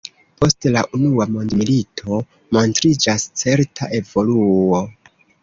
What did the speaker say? Post la unua mondmilito montriĝas certa evoluo.